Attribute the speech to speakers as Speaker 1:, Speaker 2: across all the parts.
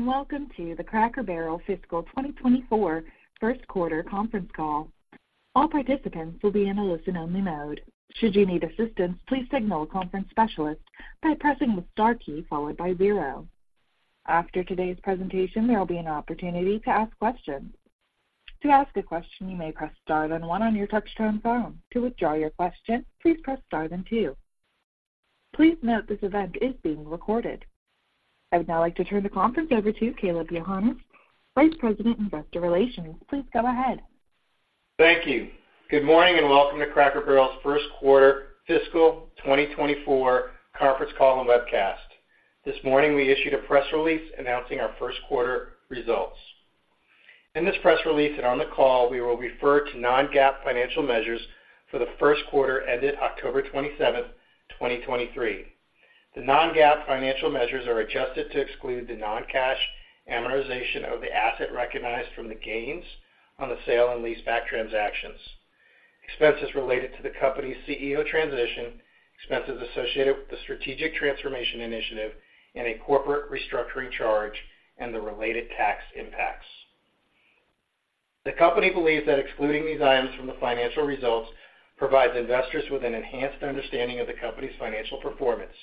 Speaker 1: Welcome to the Cracker Barrel Fiscal 2024 first quarter conference call. All participants will be in a listen-only mode. Should you need assistance, please signal a conference specialist by pressing the star key followed by zero. After today's presentation, there will be an opportunity to ask questions. To ask a question, you may press star then one on your touch-tone phone. To withdraw your question, please press star then two. Please note this event is being recorded. I would now like to turn the conference over to Kaleb Johannes, Vice President, Investor Relations. Please go ahead.
Speaker 2: Thank you. Good morning, and welcome to Cracker Barrel's first quarter fiscal 2024 conference call and webcast. This morning, we issued a press release announcing our first quarter results. In this press release and on the call, we will refer to non-GAAP financial measures for the first quarter ended October 27, 2023. The non-GAAP financial measures are adjusted to exclude the non-cash amortization of the asset recognized from the gains on the sale and leaseback transactions, expenses related to the company's CEO transition, expenses associated with the Strategic Transformation Initiative, and a corporate restructuring charge and the related tax impacts. The company believes that excluding these items from the financial results provides investors with an enhanced understanding of the company's financial performance.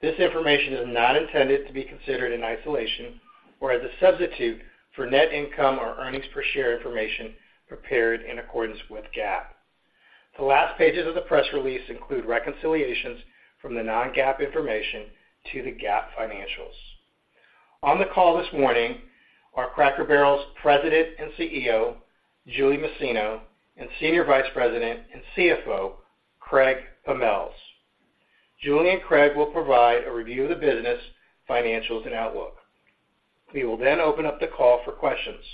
Speaker 2: This information is not intended to be considered in isolation or as a substitute for net income or earnings per share information prepared in accordance with GAAP. The last pages of the press release include reconciliations from the non-GAAP information to the GAAP financials. On the call this morning are Cracker Barrel's President and CEO, Julie Masino, and Senior Vice President and CFO, Craig Pommells. Julie and Craig will provide a review of the business, financials, and outlook. We will then open up the call for questions.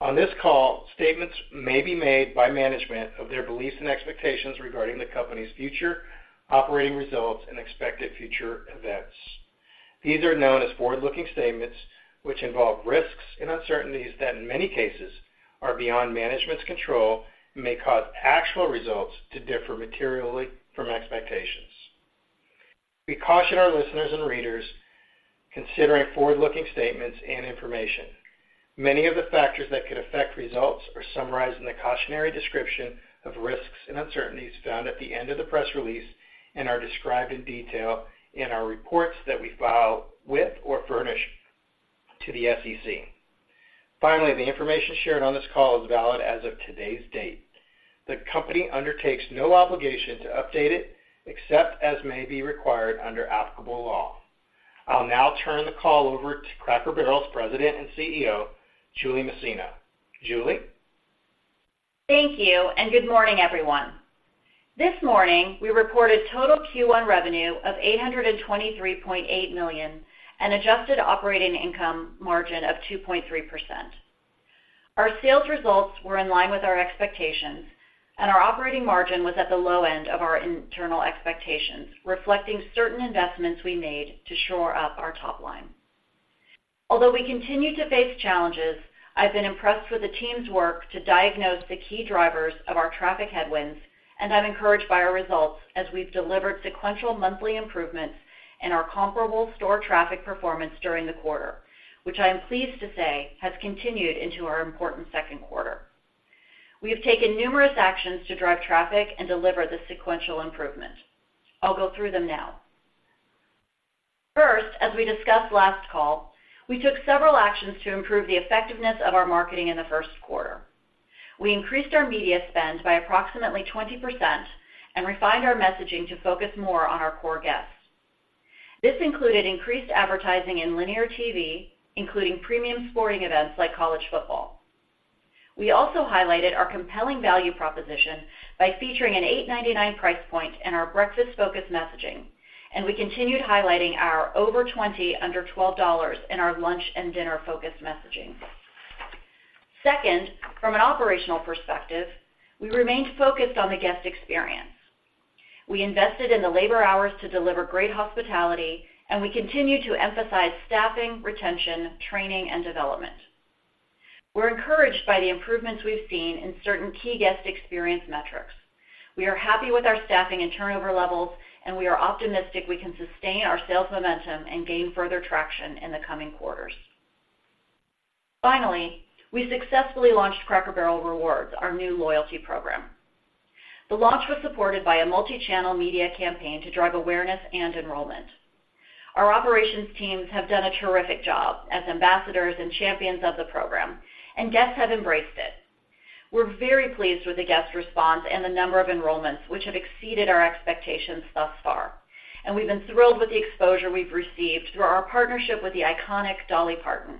Speaker 2: On this call, statements may be made by management of their beliefs and expectations regarding the company's future operating results and expected future events. These are known as forward-looking statements, which involve risks and uncertainties that, in many cases, are beyond management's control and may cause actual results to differ materially from expectations. We caution our listeners and readers considering forward-looking statements and information. Many of the factors that could affect results are summarized in the cautionary description of risks and uncertainties found at the end of the press release and are described in detail in our reports that we file with or furnish to the SEC. Finally, the information shared on this call is valid as of today's date. The company undertakes no obligation to update it, except as may be required under applicable law. I'll now turn the call over to Cracker Barrel's President and CEO, Julie Masino. Julie?
Speaker 3: Thank you, and good morning, everyone. This morning, we reported total Q1 revenue of $823.8 million and adjusted operating income margin of 2.3%. Our sales results were in line with our expectations, and our operating margin was at the low end of our internal expectations, reflecting certain investments we made to shore up our top line. Although we continue to face challenges, I've been impressed with the team's work to diagnose the key drivers of our traffic headwinds, and I'm encouraged by our results as we've delivered sequential monthly improvements in our comparable store traffic performance during the quarter, which I am pleased to say has continued into our important second quarter. We have taken numerous actions to drive traffic and deliver the sequential improvement. I'll go through them now. First, as we discussed last call, we took several actions to improve the effectiveness of our marketing in the first quarter. We increased our media spend by approximately 20% and refined our messaging to focus more on our core guests. This included increased advertising in linear TV, including premium sporting events like college football. We also highlighted our compelling value proposition by featuring an $8.99 price point in our breakfast-focused messaging, and we continued highlighting our over 20, under $12 in our lunch and dinner-focused messaging. Second, from an operational perspective, we remained focused on the guest experience. We invested in the labor hours to deliver great hospitality, and we continued to emphasize staffing, retention, training, and development. We're encouraged by the improvements we've seen in certain key guest experience metrics. We are happy with our staffing and turnover levels, and we are optimistic we can sustain our sales momentum and gain further traction in the coming quarters. Finally, we successfully loyalty program. the launch was supported by a multi-channel media campaign to drive awareness and enrollment. Our operations teams have done a terrific job as ambassadors and champions of the program, and guests have embraced it. We're very pleased with the guest response and the number of enrollments, which have exceeded our expectations thus far, and we've been thrilled with the exposure we've received through our partnership with the iconic Dolly Parton.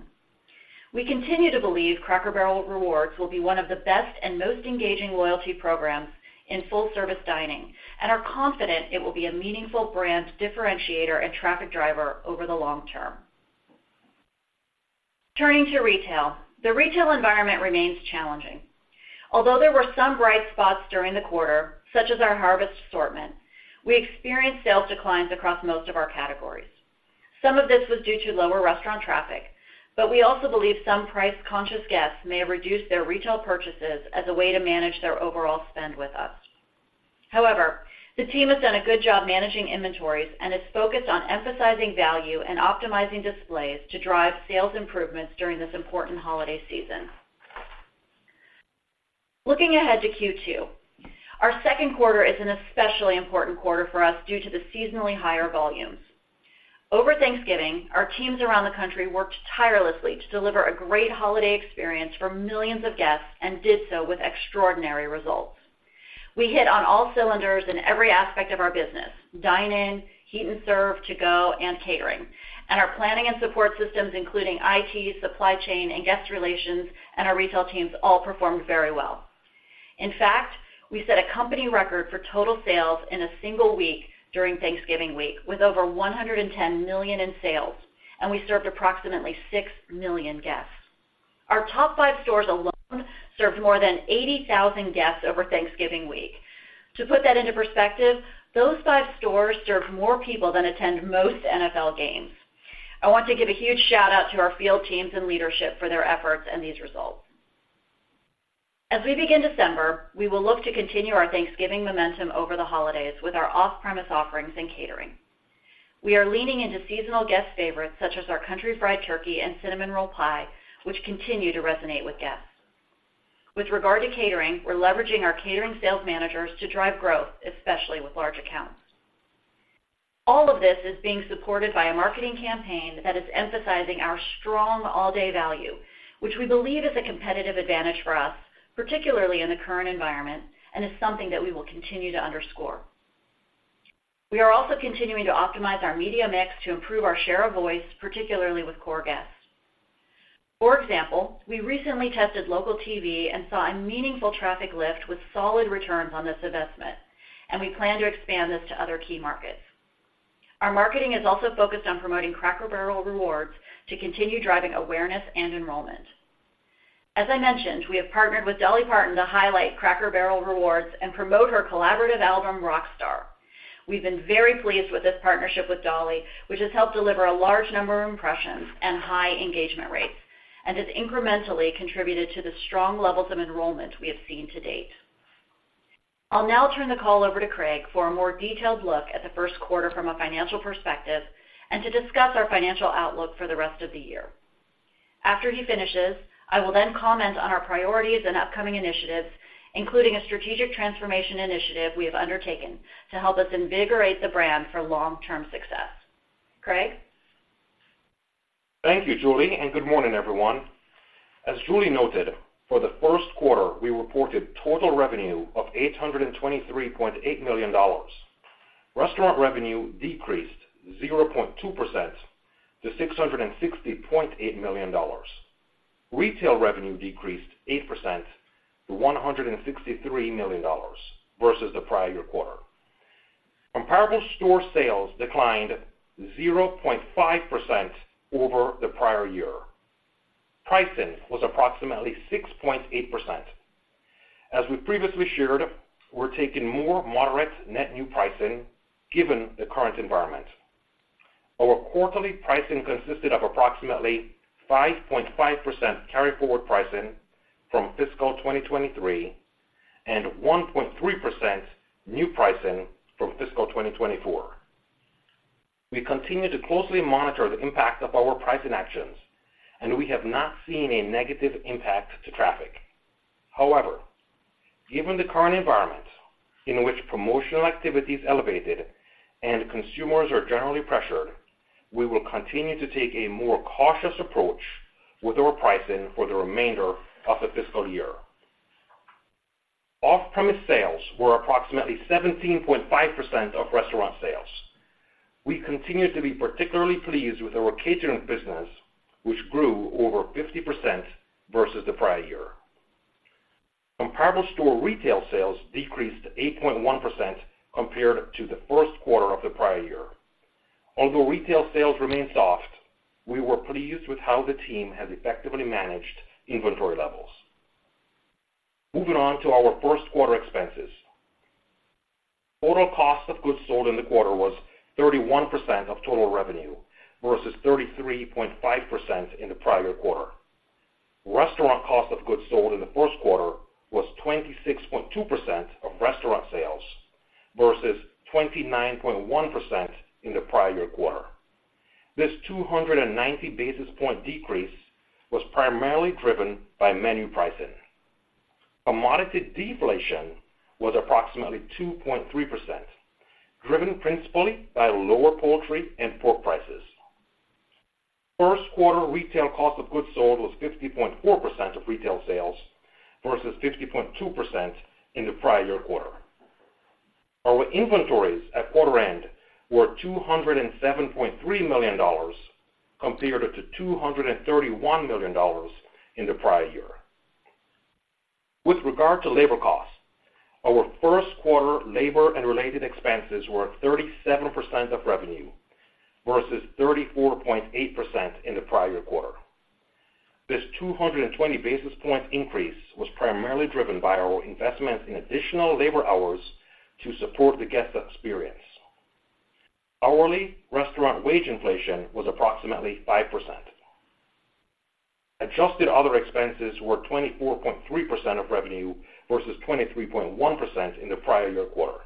Speaker 3: We continue to believe Cracker Barrel Rewards will be one of loyalty programs in full-service dining and are confident it will be a meaningful brand differentiator and traffic driver over the long term. Turning to retail, the retail environment remains challenging. Although there were some bright spots during the quarter, such as our harvest assortment, we experienced sales declines across most of our categories. Some of this was due to lower restaurant traffic, but we also believe some price-conscious guests may have reduced their retail purchases as a way to manage their overall spend with us. However, the team has done a good job managing inventories and is focused on emphasizing value and optimizing displays to drive sales improvements during this important holiday season. Looking ahead to Q2, our second quarter is an especially important quarter for us due to the seasonally higher volumes. Over Thanksgiving, our teams around the country worked tirelessly to deliver a great holiday experience for millions of guests and did so with extraordinary results. We hit on all cylinders in every aspect of our business, dine-in, Heat n' Serve, to-go, and catering, and our planning and support systems, including IT, supply chain, and guest relations, and our retail teams, all performed very well. In fact, we set a company record for total sales in a single week during Thanksgiving week, with over $110 million in sales, and we served approximately 6 million guests. Our top five stores alone served more than 80,000 guests over Thanksgiving week. To put that into perspective, those five stores served more people than attend most NFL games. I want to give a huge shout-out to our field teams and leadership for their efforts and these results. As we begin December, we will look to continue our Thanksgiving momentum over the holidays with our off-premise offerings and catering. We are leaning into seasonal guest favorites such as our Country Fried Turkey and Cinnamon Roll Pie, which continue to resonate with guests. With regard to catering, we're leveraging our catering sales managers to drive growth, especially with large accounts. All of this is being supported by a marketing campaign that is emphasizing our strong all-day value, which we believe is a competitive advantage for us, particularly in the current environment, and is something that we will continue to underscore. We are also continuing to optimize our media mix to improve our share of voice, particularly with core guests. For example, we recently tested local TV and saw a meaningful traffic lift with solid returns on this investment, and we plan to expand this to other key markets. Our marketing is also focused on promoting Cracker Barrel Rewards to continue driving awareness and enrollment. As I mentioned, we have partnered with Dolly Parton to highlight Cracker Barrel Rewards and promote her collaborative album, Rockstar. We've been very pleased with this partnership with Dolly, which has helped deliver a large number of impressions and high engagement rates, and has incrementally contributed to the strong levels of enrollment we have seen to date. I'll now turn the call over to Craig for a more detailed look at the first quarter from a financial perspective and to discuss our financial outlook for the rest of the year. After he finishes, I will then comment on our priorities and upcoming initiatives, including a Strategic Transformation Initiative we have undertaken to help us invigorate the brand for long-term success. Craig?
Speaker 4: Thank you, Julie, and good morning, everyone. As Julie noted, for the first quarter, we reported total revenue of $823.8 million. Restaurant revenue decreased 0.2% to $660.8 million. Retail revenue decreased 8% to $163 million versus the prior quarter. Comparable store sales declined 0.5% over the prior year. Pricing was approximately 6.8%. As we previously shared, we're taking more moderate net new pricing given the current environment. Our quarterly pricing consisted of approximately 5.5% carryforward pricing from fiscal 2023, and 1.3% new pricing from fiscal 2024. We continue to closely monitor the impact of our pricing actions, and we have not seen a negative impact to traffic. However, given the current environment in which promotional activity is elevated and consumers are generally pressured, we will continue to take a more cautious approach with our pricing for the remainder of the fiscal year. Off-premise sales were approximately 17.5% of restaurant sales. We continue to be particularly pleased with our catering business, which grew over 50% versus the prior year. Comparable store retail sales decreased 8.1% compared to the first quarter of the prior year. Although retail sales remain soft, we were pleased with how the team has effectively managed inventory levels. Moving on to our first quarter expenses. Total cost of goods sold in the quarter was 31% of total revenue, versus 33.5% in the prior quarter. Restaurant cost of goods sold in the first quarter was 26.2% of restaurant sales, versus 29.1% in the prior-year quarter. This 290 basis point decrease was primarily driven by menu pricing. Commodity deflation was approximately 2.3%, driven principally by lower poultry and pork prices. First quarter retail cost of goods sold was 50.4% of retail sales, versus 50.2% in the prior-year quarter. Our inventories at quarter end were $207.3 million, compared to 231 million in the prior year. With regard to labor costs, our first quarter labor and related expenses were 37% of revenue, versus 34.8% in the prior quarter. This 220 basis point increase was primarily driven by our investment in additional labor hours to support the guest experience. Hourly restaurant wage inflation was approximately 5%....Adjusted other expenses were 24.3% of revenue, versus 23.1% in the prior year quarter.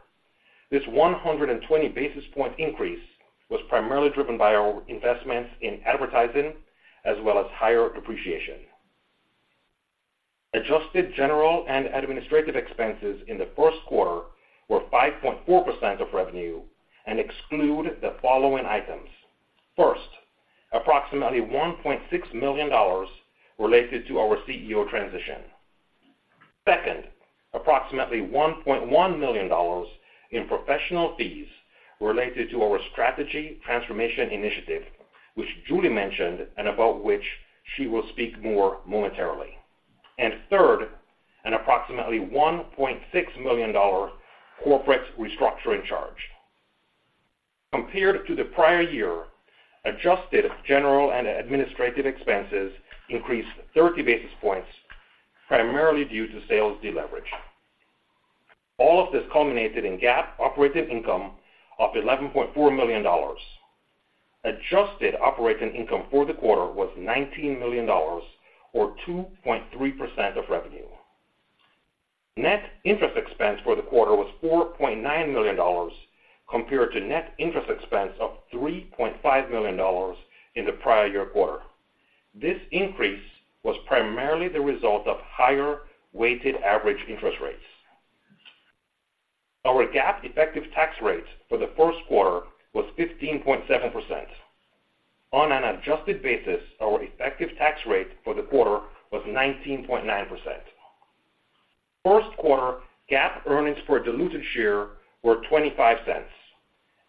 Speaker 4: This 120 basis point increase was primarily driven by our investments in advertising, as well as higher depreciation. Adjusted general and administrative expenses in the first quarter were 5.4% of revenue and exclude the following items. First, approximately $1.6 million related to our CEO transition. Second, approximately $1.1 million in professional fees related to our Strategic Transformation Initiative, which Julie mentioned, and about which she will speak more momentarily. And third, an approximately $1.6 million corporate restructuring charge. Compared to the prior year, adjusted general and administrative expenses increased 30 basis points, primarily due to sales deleverage. All of this culminated in GAAP operating income of $11.4 million. Adjusted operating income for the quarter was $19 million, or 2.3% of revenue. Net interest expense for the quarter was $4.9 million, compared to net interest expense of $3.5 million in the prior year quarter. This increase was primarily the result of higher weighted average interest rates. Our GAAP effective tax rate for the first quarter was 15.7%. On an adjusted basis, our effective tax rate for the quarter was 19.9%. First quarter GAAP earnings per diluted share were $0.25,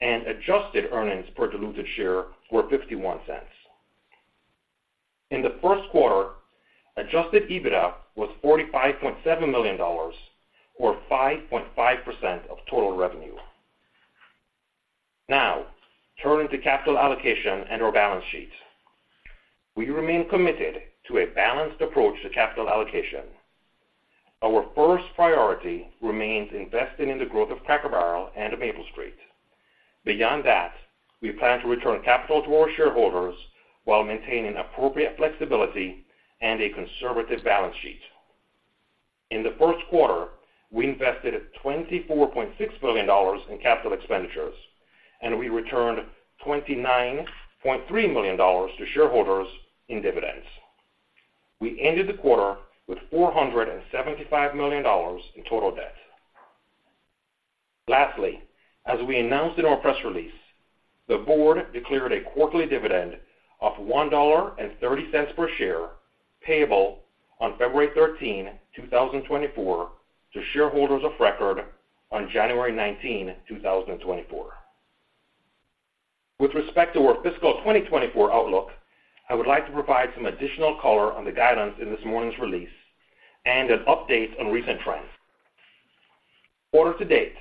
Speaker 4: and adjusted earnings per diluted share were $0.51. In the first quarter, Adjusted EBITDA was $45.7 million, or 5.5% of total revenue. Now, turning to capital allocation and our balance sheet. We remain committed to a balanced approach to capital allocation. Our first priority remains investing in the growth of Cracker Barrel and of Maple Street. Beyond that, we plan to return capital to our shareholders while maintaining appropriate flexibility and a conservative balance sheet. In the first quarter, we invested $24.6 million in capital expenditures, and we returned $29.3 million to shareholders in dividends. We ended the quarter with $475 million in total debt. Lastly, as we announced in our press release, the board declared a quarterly dividend of $1.30 per share, payable on February 13, 2024, to shareholders of record on January 19, 2024. With respect to our fiscal 2024 outlook, I would like to provide some additional color on the guidance in this morning's release and an update on recent trends. Quarter to date,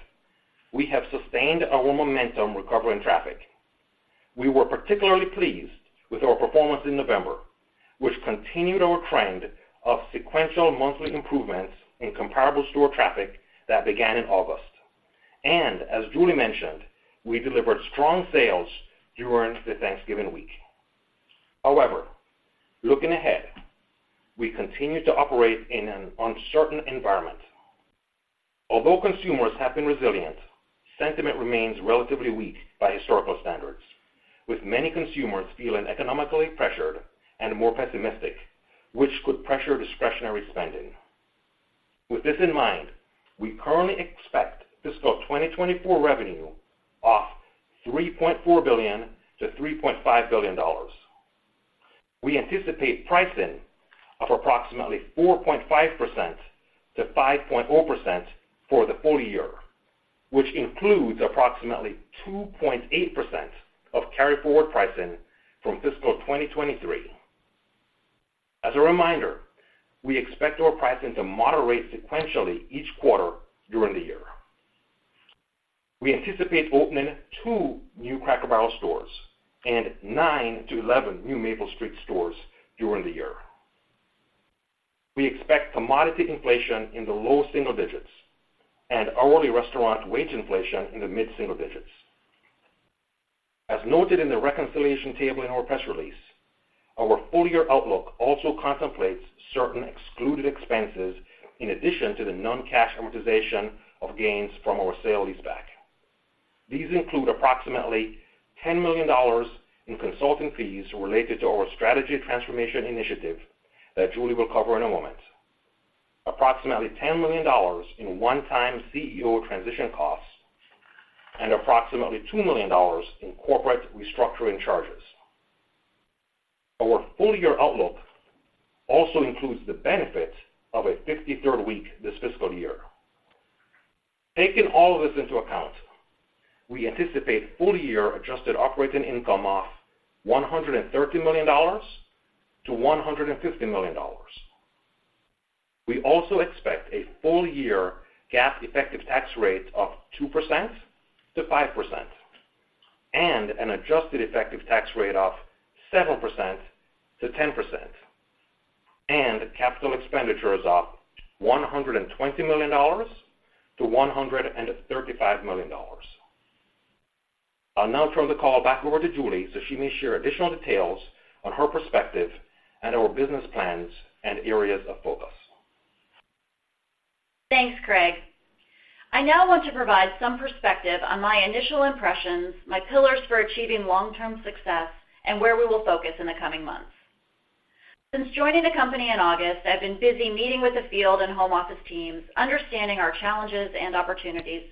Speaker 4: we have sustained our momentum recovery in traffic. We were particularly pleased with our performance in November, which continued our trend of sequential monthly improvements in comparable store traffic that began in August. As Julie mentioned, we delivered strong sales during the Thanksgiving week. However, looking ahead, we continue to operate in an uncertain environment. Although consumers have been resilient, sentiment remains relatively weak by historical standards, with many consumers feeling economically pressured and more pessimistic, which could pressure discretionary spending. With this in mind, we currently expect fiscal 2024 revenue of $3.4 billion-3.5 billion. We anticipate pricing of approximately 4.5%-5.0% for the full year, which includes approximately 2.8% of carry forward pricing from fiscal 2023. As a reminder, we expect our pricing to moderate sequentially each quarter during the year. We anticipate opening 2 new Cracker Barrel stores and nine-11 new Maple Street stores during the year. We expect commodity inflation in the low single digits and hourly restaurant wage inflation in the mid single digits. As noted in the reconciliation table in our press release, our full-year outlook also contemplates certain excluded expenses in addition to the non-cash amortization of gains from our sale-leaseback. These include approximately $10 million in consulting fees related to our Strategic Transformation Initiative that Julie will cover in a moment, approximately $10 million in one-time CEO transition costs, and approximately $2 million in corporate restructuring charges. Our full-year outlook also includes the benefit of a 53rd week this fiscal year. Taking all of this into account, we anticipate full-year adjusted operating income of $130 million-150 million. We also expect a full-year GAAP effective tax rate of 2%-5%, and an adjusted effective tax rate of 7%-10%, and capital expenditures of $120 million-135 million. I'll now turn the call back over to Julie, so she may share additional details on her perspective and our business plans and areas of focus.
Speaker 3: Thanks, Craig. I now want to provide some perspective on my initial impressions, my pillars for achieving long-term success, and where we will focus in the coming months. Since joining the company in August, I've been busy meeting with the field and home office teams, understanding our challenges and opportunities,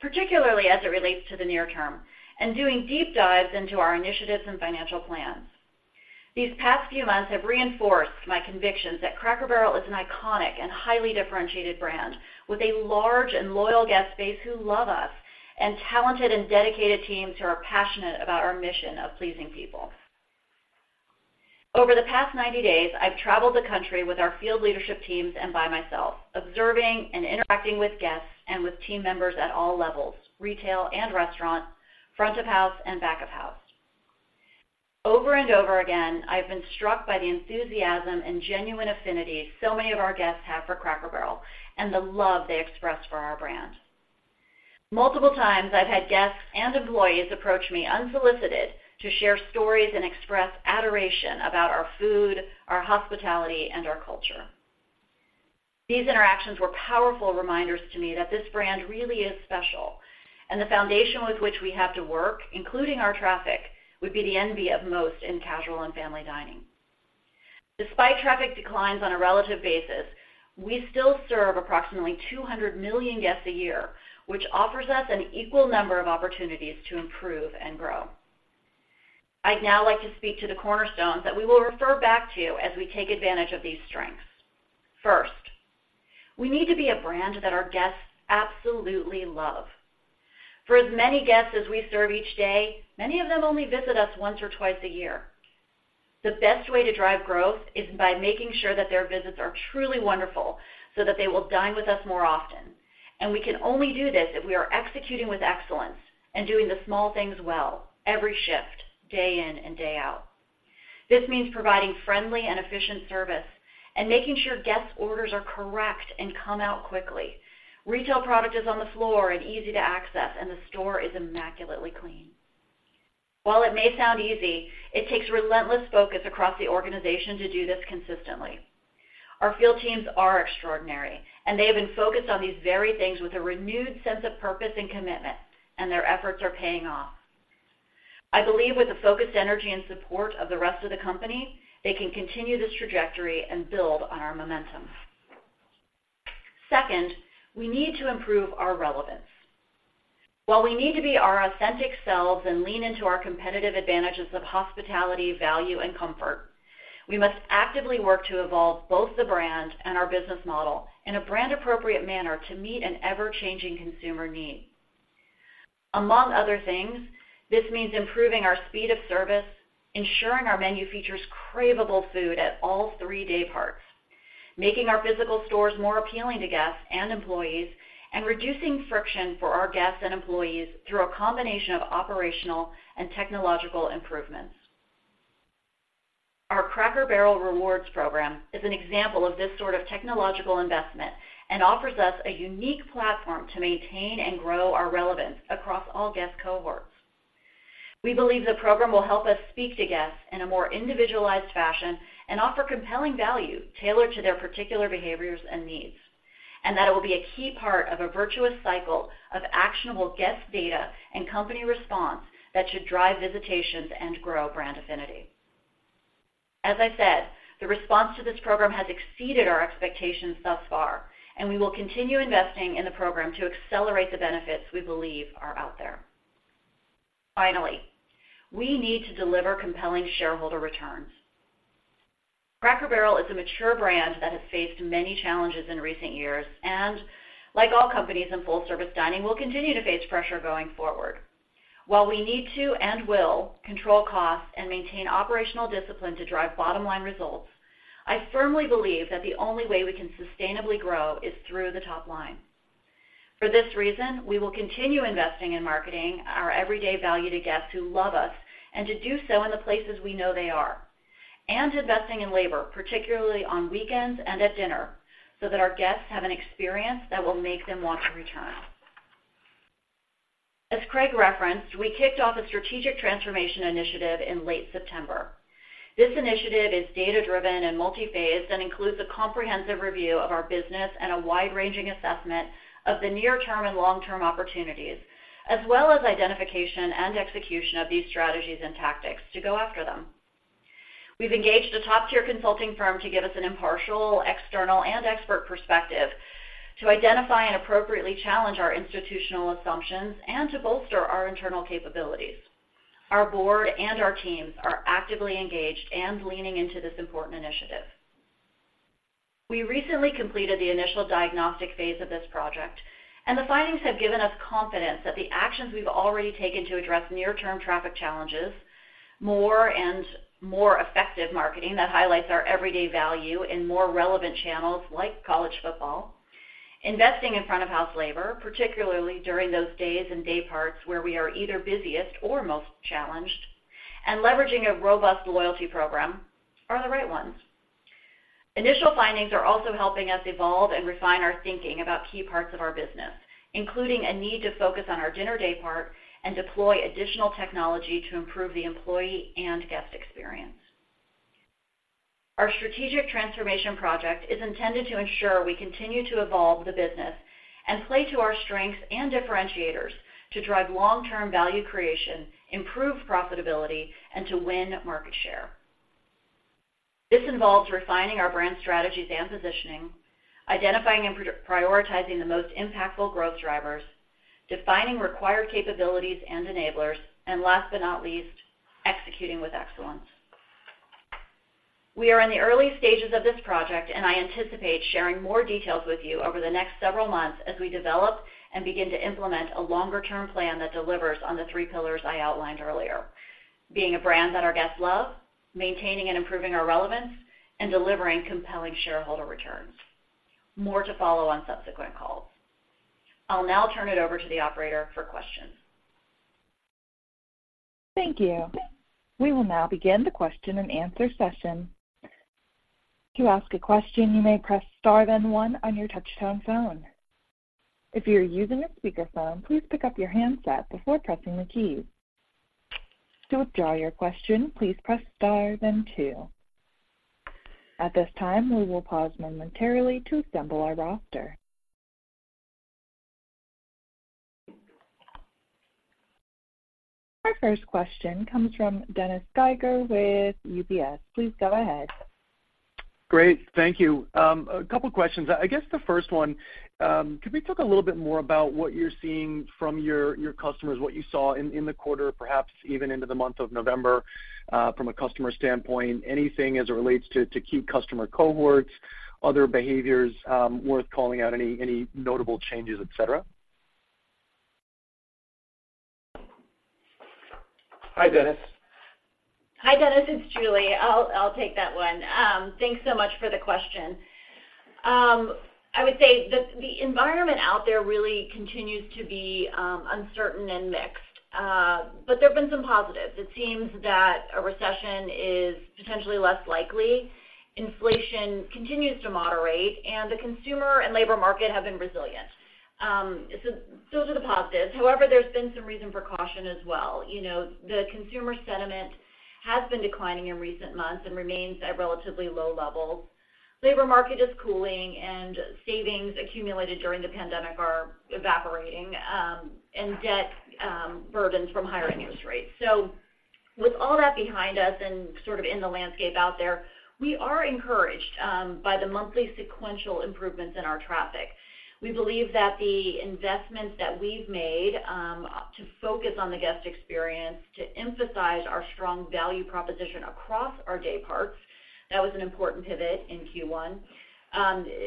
Speaker 3: particularly as it relates to the near term, and doing deep dives into our initiatives and financial plans. These past few months have reinforced my convictions that Cracker Barrel is an iconic and highly differentiated brand with a large and loyal guest base who love us, and talented and dedicated teams who are passionate about our mission of pleasing people. Over the past 90 days, I've traveled the country with our field leadership teams and by myself, observing and interacting with guests and with team members at all levels, retail and restaurant, front of house and back of house. Over and over again, I've been struck by the enthusiasm and genuine affinity so many of our guests have for Cracker Barrel and the love they express for our brand. Multiple times, I've had guests and employees approach me unsolicited to share stories and express adoration about our food, our hospitality, and our culture. These interactions were powerful reminders to me that this brand really is special, and the foundation with which we have to work, including our traffic, would be the envy of most in casual and family dining. Despite traffic declines on a relative basis, we still serve approximately 200 million guests a year, which offers us an equal number of opportunities to improve and grow. I'd now like to speak to the cornerstones that we will refer back to as we take advantage of these strengths. First, we need to be a brand that our guests absolutely love. For as many guests as we serve each day, many of them only visit us once or twice a year. The best way to drive growth is by making sure that their visits are truly wonderful, so that they will dine with us more often. We can only do this if we are executing with excellence and doing the small things well, every shift, day in and day out. This means providing friendly and efficient service and making sure guests' orders are correct and come out quickly, retail product is on the floor and easy to access, and the store is immaculately clean. While it may sound easy, it takes relentless focus across the organization to do this consistently. Our field teams are extraordinary, and they have been focused on these very things with a renewed sense of purpose and commitment, and their efforts are paying off. I believe with the focused energy and support of the rest of the company, they can continue this trajectory and build on our momentum. Second, we need to improve our relevance. While we need to be our authentic selves and lean into our competitive advantages of hospitality, value, and comfort, we must actively work to evolve both the brand and our business model in a brand-appropriate manner to meet an ever-changing consumer need. Among other things, this means improving our speed of service, ensuring our menu features craveable food at all three dayparts, making our physical stores more appealing to guests and employees, and reducing friction for our guests and employees through a combination of operational and technological improvements. Our Cracker Barrel Rewards program is an example of this sort of technological investment and offers us a unique platform to maintain and grow our relevance across all guest cohorts. We believe the program will help us speak to guests in a more individualized fashion and offer compelling value tailored to their particular behaviors and needs, and that it will be a key part of a virtuous cycle of actionable guest data and company response that should drive visitations and grow brand affinity. As I said, the response to this program has exceeded our expectations thus far, and we will continue investing in the program to accelerate the benefits we believe are out there. Finally, we need to deliver compelling shareholder returns. Cracker Barrel is a mature brand that has faced many challenges in recent years, and like all companies in full-service dining, will continue to face pressure going forward. While we need to and will control costs and maintain operational discipline to drive bottom-line results, I firmly believe that the only way we can sustainably grow is through the top line. For this reason, we will continue investing in marketing our everyday value to guests who love us, and to do so in the places we know they are, and investing in labor, particularly on weekends and at dinner, so that our guests have an experience that will make them want to return. As Craig referenced, we kicked off a Strategic Transformation Initiative in late September. This initiative is data-driven and multiphased and includes a comprehensive review of our business and a wide-ranging assessment of the near-term and long-term opportunities, as well as identification and execution of these strategies and tactics to go after them. We've engaged a top-tier consulting firm to give us an impartial, external, and expert perspective to identify and appropriately challenge our institutional assumptions and to bolster our internal capabilities. Our board and our teams are actively engaged and leaning into this important initiative. We recently completed the initial diagnostic phase of this project, and the findings have given us confidence that the actions we've already taken to address near-term traffic challenges, more and more effective marketing that highlights our everyday value in more relevant channels like college football, investing in front-of-house labor, particularly during those days and day parts where we are either busiest or most challenged, loyalty program are the right ones. Initial findings are also helping us evolve and refine our thinking about key parts of our business, including a need to focus on our dinner daypart and deploy additional technology to improve the employee and guest experience. Our strategic transformation project is intended to ensure we continue to evolve the business and play to our strengths and differentiators to drive long-term value creation, improve profitability, and to win market share. This involves refining our brand strategies and positioning, identifying and prioritizing the most impactful growth drivers, defining required capabilities and enablers, and last but not least, executing with excellence. We are in the early stages of this project, and I anticipate sharing more details with you over the next several months as we develop and begin to implement a longer-term plan that delivers on the three pillars I outlined earlier: being a brand that our guests love, maintaining and improving our relevance, and delivering compelling shareholder returns. More to follow on subsequent calls. I'll now turn it over to the operator for questions.
Speaker 1: Thank you. We will now begin the question-and-answer session. To ask a question, you may press Star, then One on your touchtone phone. If you are using a speakerphone, please pick up your handset before pressing the key. To withdraw your question, please press Star, then Two. At this time, we will pause momentarily to assemble our roster. Our first question comes from Dennis Geiger with UBS. Please go ahead.
Speaker 5: Great, thank you. A couple questions. I guess the first one, could we talk a little bit more about what you're seeing from your, your customers, what you saw in, in the quarter, perhaps even into the month of November, from a customer standpoint, anything as it relates to, to key customer cohorts, other behaviors, worth calling out, any, any notable changes, et cetera?
Speaker 4: Hi, Dennis.
Speaker 3: Hi, Dennis, it's Julie. I'll take that one. Thanks so much for the question. I would say the environment out there really continues to be uncertain and mixed, but there have been some positives. It seems that a recession is potentially less likely, inflation continues to moderate, and the consumer and labor market have been resilient. So those are the positives. However, there's been some reason for caution as well. You know, the consumer sentiment has been declining in recent months and remains at relatively low levels. Labor market is cooling, and savings accumulated during the pandemic are evaporating, and debt burdens from higher interest rates. So with all that behind us and sort of in the landscape out there, we are encouraged by the monthly sequential improvements in our traffic. We believe that the investments that we've made, to focus on the guest experience, to emphasize our strong value proposition across our day parts, that was an important pivot in Q1,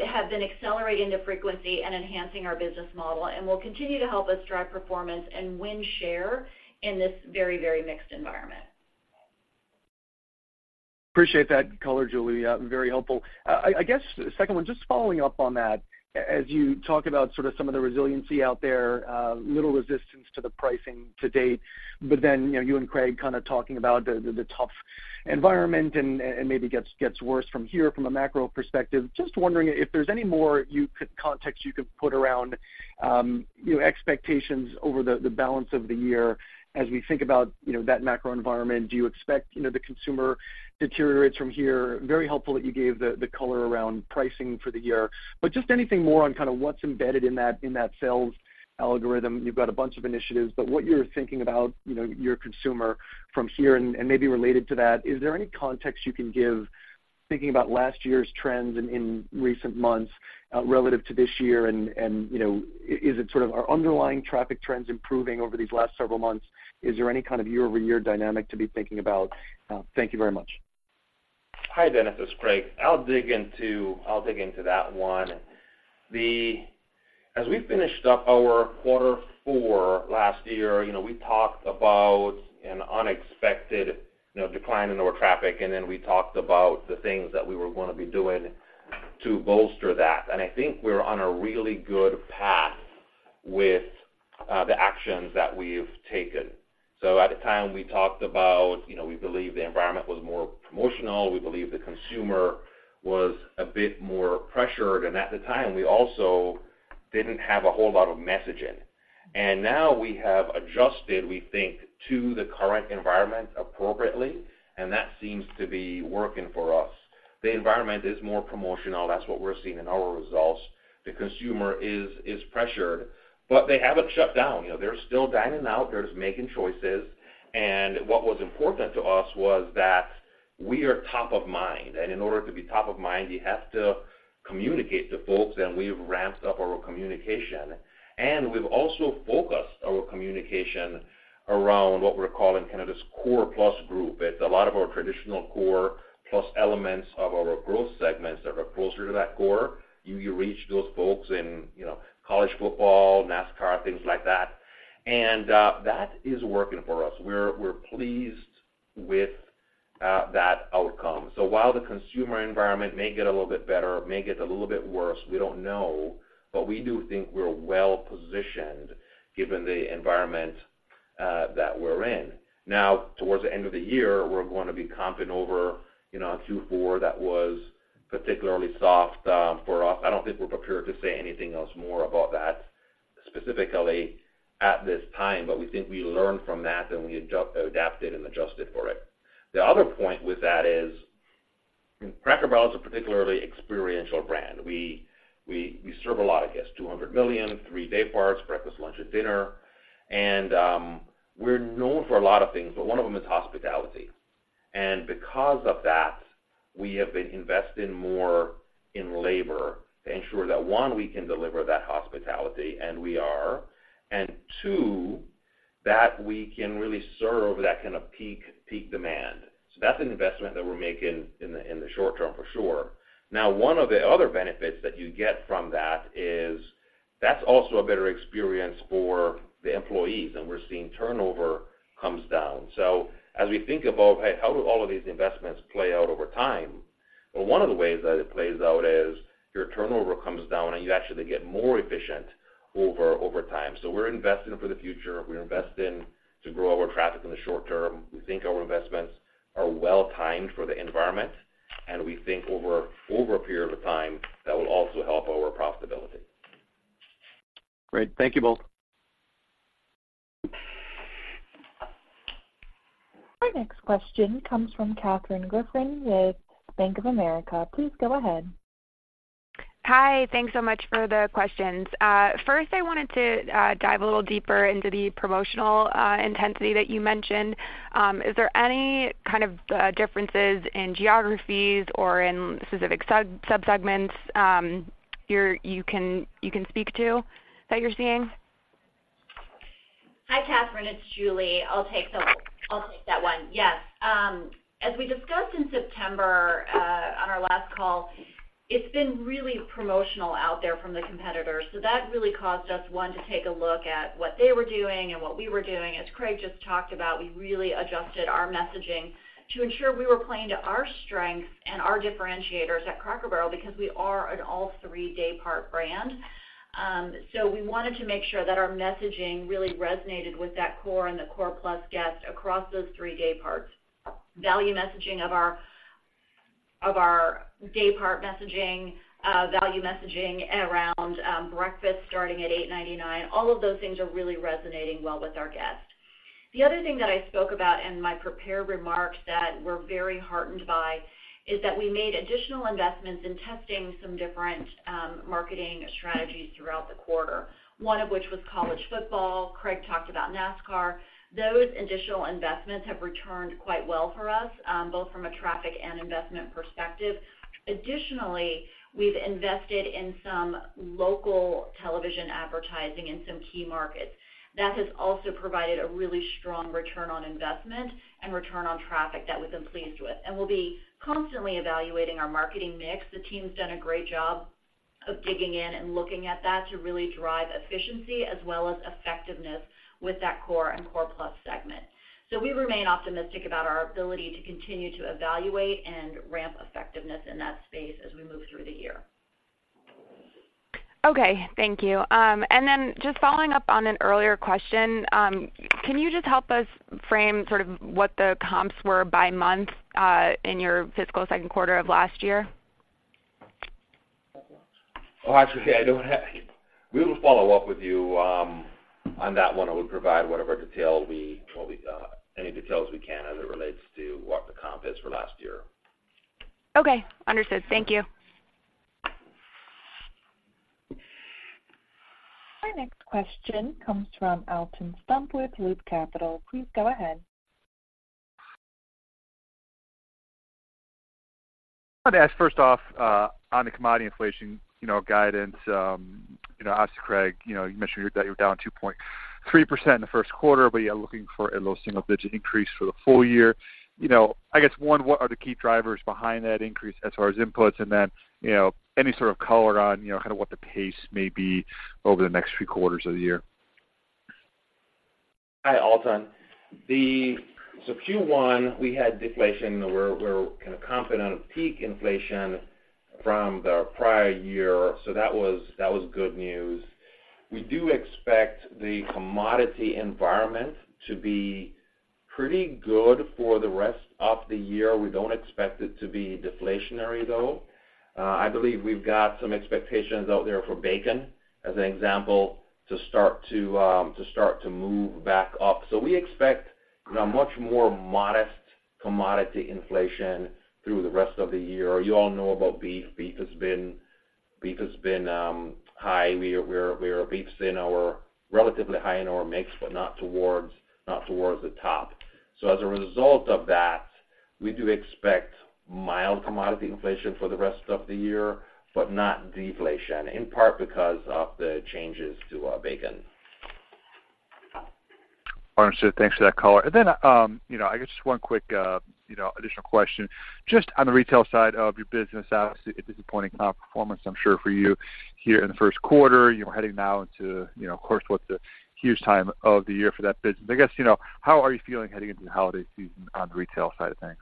Speaker 3: have been accelerating the frequency and enhancing our business model and will continue to help us drive performance and win share in this very, very mixed environment.
Speaker 5: Appreciate that color, Julie. Very helpful. I guess the second one, just following up on that, as you talk about sort of some of the resiliency out there, little resistance to the pricing to date, but then, you know, you and Craig kind of talking about the tough environment and maybe gets worse from here from a macro perspective. Just wondering if there's any more context you could put around, you know, expectations over the balance of the year as we think about, you know, that macro environment. Do you expect, you know, the consumer deteriorates from here? Very helpful that you gave the color around pricing for the year. But just anything more on kind of what's embedded in that, in that sales algorithm. You've got a bunch of initiatives, but what you're thinking about, you know, your consumer from here. And maybe related to that, is there any context you can give thinking about last year's trends in recent months relative to this year? And, you know, is it sort of are underlying traffic trends improving over these last several months? Is there any kind of year-over-year dynamic to be thinking about? Thank you very much.
Speaker 4: Hi, Dennis, it's Craig. I'll dig into that one. As we finished up our quarter four last year, you know, we talked about an unexpected, you know, decline in our traffic, and then we talked about the things that we were gonna be doing to bolster that. And I think we're on a really good path with the actions that we've taken. So at the time, we talked about, you know, we believe the environment was more promotional, we believe the consumer was a bit more pressured, and at the time, we also didn't have a whole lot of messaging. And now we have adjusted, we think, to the current environment appropriately, and that seems to be working for us. The environment is more promotional. That's what we're seeing in our results. The consumer is pressured, but they haven't shut down. You know, they're still dining out, they're just making choices. And what was important to us was that we are top of mind, and in order to be top of mind, you have to communicate to folks, and we've ramped up our communication. And we've also focused our communication around what we're calling kind of this core plus group. It's a lot of our traditional core, plus elements of our growth segments that are closer to that core. You reach those folks in, you know, college football, NASCAR, things like that. And that is working for us. We're pleased with that outcome. So while the consumer environment may get a little bit better, may get a little bit worse, we don't know, but we do think we're well positioned given the environment that we're in. Now, towards the end of the year, we're going to be comping over, you know, a Q4 that was particularly soft for us. I don't think we're prepared to say anything else more about that, specifically at this time, but we think we learned from that, and we adapted and adjusted for it. The other point with that is, Cracker Barrel is a particularly experiential brand. We serve a lot of guests, 200 million, 3 dayparts, breakfast, lunch, and dinner. We're known for a lot of things, but one of them is hospitality. And because of that, we have been investing more in labor to ensure that, one, we can deliver that hospitality, and we are, and two, that we can really serve that kind of peak, peak demand. So that's an investment that we're making in the short term, for sure. Now, one of the other benefits that you get from that is, that's also a better experience for the employees, and we're seeing turnover comes down. So as we think about, "Hey, how do all of these investments play out over time?" Well, one of the ways that it plays out is, your turnover comes down and you actually get more efficient over time. So we're investing for the future. We're investing to grow our traffic in the short term. We think our investments are well-timed for the environment, and we think over a period of time, that will also help our profitability.
Speaker 5: Great. Thank you, both.
Speaker 1: Our next question comes from Katherine Griffin with Bank of America. Please go ahead.
Speaker 6: Hi, thanks so much for the questions. First, I wanted to dive a little deeper into the promotional intensity that you mentioned. Is there any kind of differences in geographies or in specific subsegments you can speak to, that you're seeing?
Speaker 3: Hi, Katherine, it's Julie. I'll take that one. Yes, as we discussed in September, on our last call, it's been really promotional out there from the competitors. So that really caused us, one, to take a look at what they were doing and what we were doing. As Craig just talked about, we really adjusted our messaging to ensure we were playing to our strengths and our differentiators at Cracker Barrel because we are an all three daypart brand. So we wanted to make sure that our messaging really resonated with that core and the core plus guest across those three dayparts. Value messaging of our daypart messaging, value messaging around breakfast starting at $8.99, all of those things are really resonating well with our guests. The other thing that I spoke about in my prepared remarks that we're very heartened by, is that we made additional investments in testing some different, marketing strategies throughout the quarter, one of which was college football. Craig talked about NASCAR. Those additional investments have returned quite well for us, both from a traffic and investment perspective. Additionally, we've invested in some local television advertising in some key markets. That has also provided a really strong return on investment and return on traffic that we've been pleased with, and we'll be constantly evaluating our marketing mix. The team's done a great job of digging in and looking at that to really drive efficiency as well as effectiveness with that core and core plus segment. So we remain optimistic about our ability to continue to evaluate and ramp effectiveness in that space as we move through the year.
Speaker 6: Okay, thank you. And then just following up on an earlier question, can you just help us frame sort of what the comps were by month, in your fiscal second quarter of last year?
Speaker 4: Oh, actually, I don't have. We will follow up with you on that one, and we'll provide whatever details we can as it relates to what the comp is for last year.
Speaker 6: Okay, understood. Thank you.
Speaker 1: Our next question comes from Alton Stump with Loop Capital. Please go ahead.
Speaker 7: I want to ask, first off, on the commodity inflation, you know, guidance, you know, ask Craig, you know, you mentioned you're down 2.3% in the first quarter, but you're looking for a low single-digit increase for the full year. You know, I guess, one, what are the key drivers behind that increase as far as inputs, and then, you know, any sort of color on, you know, kind of what the pace may be over the next three quarters of the year?
Speaker 4: Hi, Alton. So Q1, we had deflation, where we're kind of confident of peak inflation from the prior year, so that was, that was good news. We do expect the commodity environment to be pretty good for the rest of the year. We don't expect it to be deflationary, though. I believe we've got some expectations out there for bacon, as an example, to start to start to move back up. So we expect a much more modest commodity inflation through the rest of the year. You all know about beef. Beef has been, beef has been high. Beef's in our relatively high in our mix, but not towards, not towards the top. So as a result of that, we do expect mild commodity inflation for the rest of the year, but not deflation, in part because of the changes to bacon.
Speaker 7: Understood. Thanks for that color. And then, you know, I guess just one quick, you know, additional question. Just on the retail side of your business, obviously, a disappointing comp performance, I'm sure, for you here in the first quarter. You're heading now into, you know, of course, what's a huge time of the year for that business. I guess, you know, how are you feeling heading into the holiday season on the retail side? Thanks.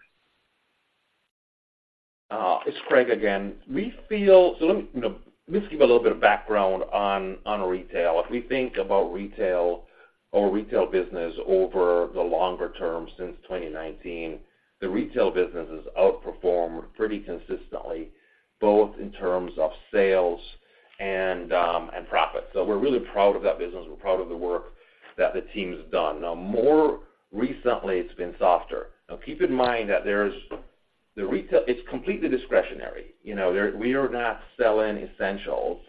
Speaker 4: It's Craig again. So let me, you know, let me give a little bit of background on retail. If we think about retail or retail business over the longer term since 2019, the retail business has outperformed pretty consistently, both in terms of sales and profit. So we're really proud of that business. We're proud of the work that the team has done. Now, more recently, it's been softer. Now, keep in mind that the retail is completely discretionary. You know, there we are not selling essentials,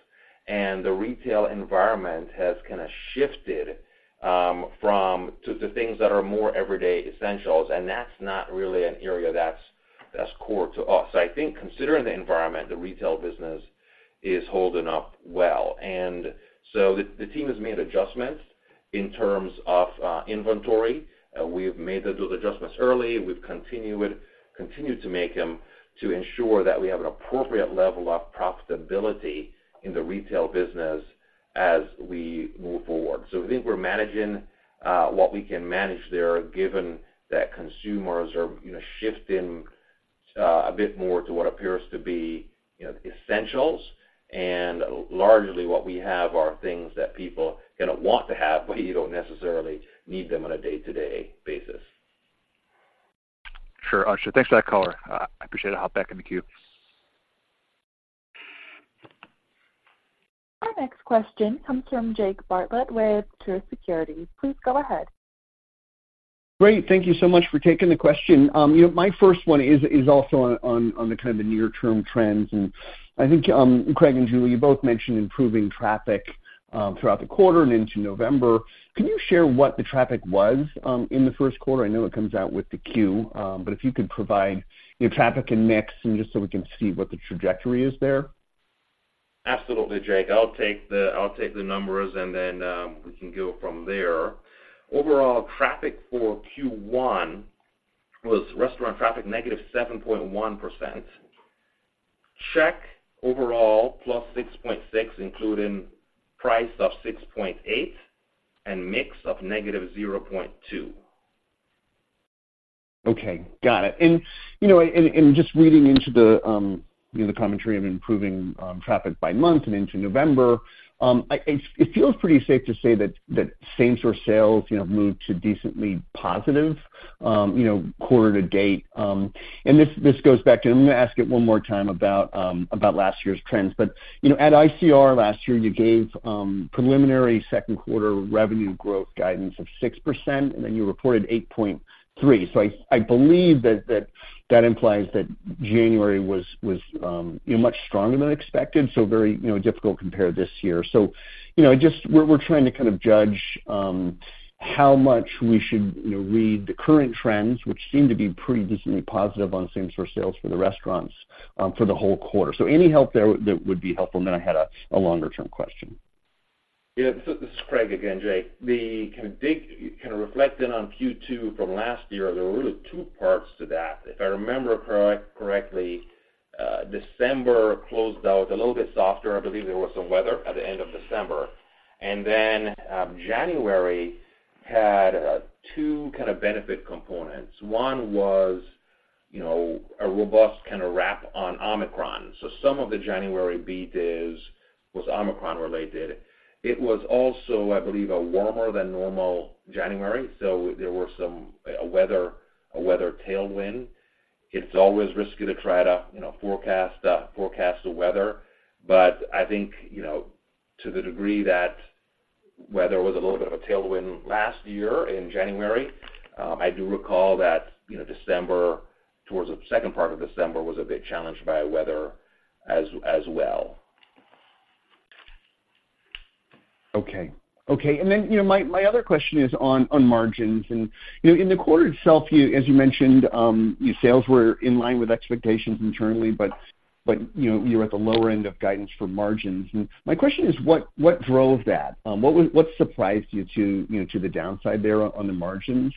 Speaker 4: and the retail environment has kind of shifted from to things that are more everyday essentials, and that's not really an area that's core to us. I think considering the environment, the retail business is holding up well. And so the team has made adjustments in terms of inventory. We've made those adjustments early. We've continued to make them to ensure that we have an appropriate level of profitability in the retail business as we move forward. So I think we're managing what we can manage there, given that consumers are, you know, shifting a bit more to what appears to be, you know, essentials. And largely, what we have are things that people kind of want to have, but you don't necessarily need them on a day-to-day basis.
Speaker 8: Sure. Gotcha. Thanks for that color. I appreciate it. Hop back in the queue.
Speaker 1: Our next question comes from Jake Bartlett with Truist Securities. Please go ahead.
Speaker 8: Great. Thank you so much for taking the question. You know, my first one is also on the kind of the near-term trends, and I think, Craig and Julie, you both mentioned improving traffic throughout the quarter and into November. Can you share what the traffic was in the first quarter? I know it comes out with the Q, but if you could provide, you know, traffic and mix and just so we can see what the trajectory is there.
Speaker 4: Absolutely, Jake. I'll take the numbers, and then we can go from there. Overall, traffic for Q1 was restaurant traffic, -7.1%. Check overall, +6.6%, including price of 6.8% and mix of -0.2%.
Speaker 8: Okay, got it. You know, just reading into the commentary of improving traffic by month and into November, it feels pretty safe to say that same store sales, you know, moved to decently positive, you know, quarter to date. And this goes back to, and I'm going to ask it one more time about last year's trends, but you know, at ICR last year, you gave preliminary second quarter revenue growth guidance of 6%, and then you reported 8.3. So I believe that that implies that January was much stronger than expected, so very, you know, difficult comp this year. You know, just we're trying to kind of judge how much we should, you know, read the current trends, which seem to be pretty decently positive on same store sales for the restaurants for the whole quarter. Any help there, that would be helpful. Then I had a longer-term question.
Speaker 4: Yeah. So this is Craig again, Jake. The kind of big, kind of reflecting on Q2 from last year, there were really two parts to that. If I remember correct, correctly, December closed out a little bit softer. I believe there was some weather at the end of December. And then, January had two kind of benefit components. One was, you know, a robust kind of wrap on Omicron. So some of the January beat is, was Omicron related. It was also, I believe, a warmer than normal January, so there were some, a weather, a weather tailwind. It's always risky to try to, you know, forecast the weather, but I think, you know, to the degree that weather was a little bit of a tailwind last year in January, I do recall that, you know, December, towards the second part of December, was a bit challenged by weather as well.
Speaker 8: Okay. Okay, and then, you know, my other question is on margins. And, you know, in the quarter itself, you, as you mentioned, your sales were in line with expectations internally, but you know, you're at the lower end of guidance for margins. And my question is: what drove that? What surprised you to, you know, to the downside there on the margins?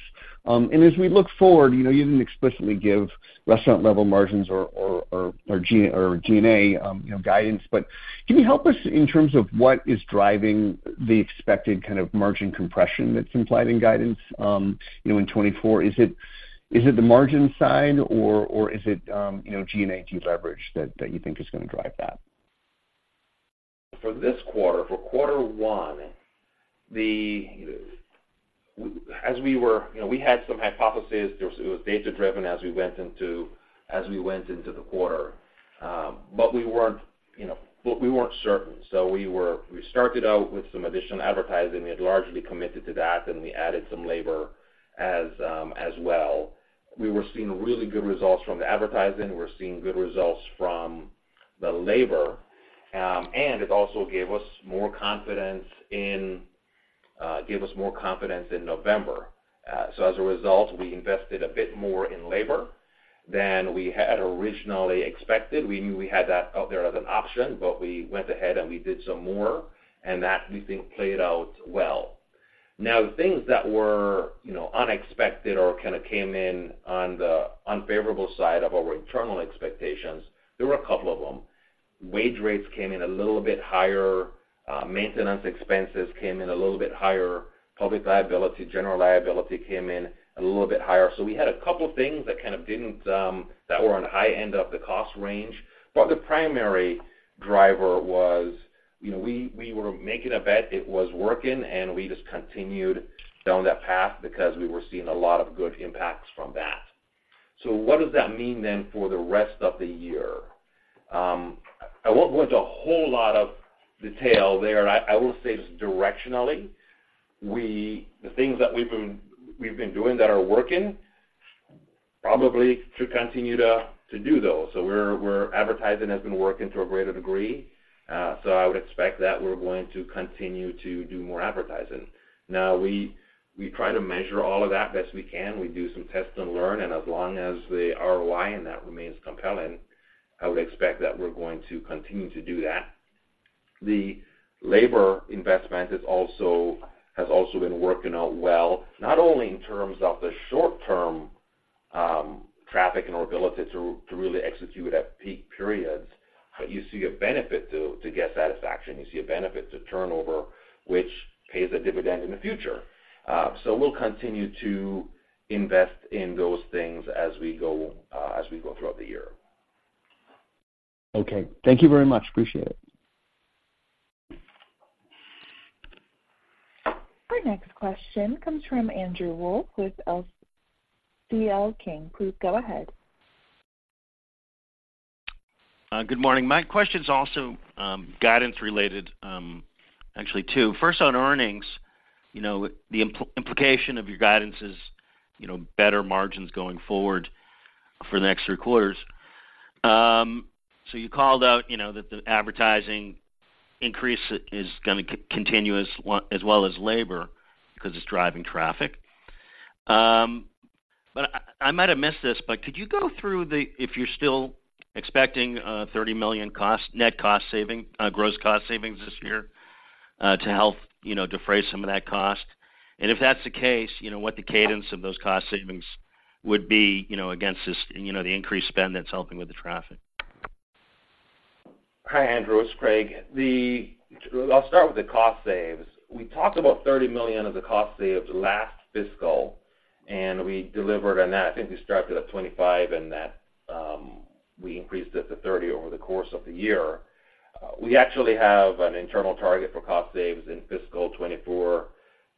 Speaker 8: And as we look forward, you know, you didn't explicitly give restaurant level margins or G&A, you know, guidance, but can you help us in terms of what is driving the expected kind of margin compression that's implied in guidance, you know, in 2024? Is it the margin side or is it, you know, G&A leverage that you think is going to drive that?
Speaker 4: For this quarter, for quarter one, as we were. You know, we had some hypotheses. There was, it was data-driven as we went into, as we went into the quarter, but we weren't, you know, but we weren't certain. So we were. We started out with some additional advertising. We had largely committed to that, and we added some labor as well. We were seeing really good results from the advertising. We were seeing good results from the labor, and it also gave us more confidence in, gave us more confidence in November. So as a result, we invested a bit more in labor than we had originally expected. We knew we had that out there as an option, but we went ahead, and we did some more, and that, we think, played out well. Now, the things that were, you know, unexpected or kind of came in on the unfavorable side of our internal expectations, there were a couple of them. Wage rates came in a little bit higher, maintenance expenses came in a little bit higher, public liability, general liability came in a little bit higher. So we had a couple things that kind of didn't, that were on the high end of the cost range. But the primary driver was, you know, we, we were making a bet, it was working, and we just continued down that path because we were seeing a lot of good impacts from that. So what does that mean then for the rest of the year? I won't go into a whole lot of detail there, and I will say this directionally, we, the things that we've been doing that are working, probably to continue to do those. So we're advertising has been working to a greater degree, so I would expect that we're going to continue to do more advertising. Now, we try to measure all of that best we can. We do some test and learn, and as long as the ROI in that remains compelling, I would expect that we're going to continue to do that. The labor investment is also has also been working out well, not only in terms of the short term, traffic and our ability to really execute at peak periods, but you see a benefit to guest satisfaction. You see a benefit to turnover, which pays a dividend in the future. So we'll continue to invest in those things as we go throughout the year.
Speaker 8: Okay, thank you very much. Appreciate it.
Speaker 1: Our next question comes from Andrew Wolf, with C.L. King. Please go ahead.
Speaker 9: Good morning. My question is also guidance related, actually, two. First, on earnings, you know, the implication of your guidance is, you know, better margins going forward for the next three quarters. So you called out, you know, that the advertising increase is gonna continue as well as labor, because it's driving traffic. But I might have missed this, but could you go through the if you're still expecting a $30 million cost, net cost saving, gross cost savings this year, to help, you know, defray some of that cost? And if that's the case, you know, what the cadence of those cost savings would be, you know, against this, you know, the increased spend that's helping with the traffic.
Speaker 4: Hi, Andrew, it's Craig. I'll start with the cost saves. We talked about $30 million of the cost saves last fiscal, and we delivered on that. I think we started at 25, and that, we increased it to 30 over the course of the year. We actually have an internal target for cost saves in fiscal 2024